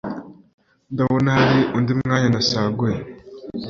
ndabona hari undi mwanya nasaguye